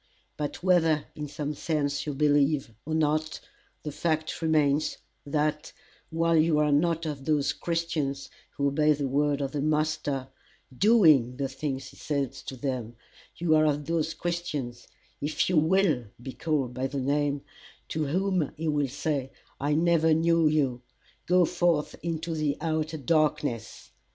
But whether in some sense you believe or not, the fact remains, that, while you are not of those Christians who obey the word of the master, DOING the things he says to them, you are of those Christians, if you WILL be called by the name, to whom he will say, I never knew you: go forth into the outer darkness.